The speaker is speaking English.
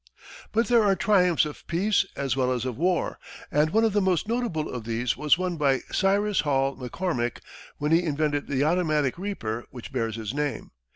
But there are triumphs of peace, as well as of war, and one of the most notable of these was won by Cyrus Hall McCormick when he invented the automatic reaper which bears his name.